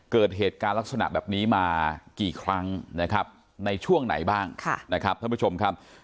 เกิดเหตุการณ์ลักษณะแบบนี้มากี่ครั้งนะครับในช่วงไหนบ้างนะครับท่านผู้ชมครับ